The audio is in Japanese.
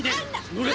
乗れ。